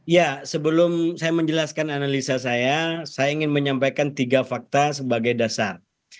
ya sebelum saya menjelaskan analisa saya saya ingin menyampaikan tiga fakta sebagai dasar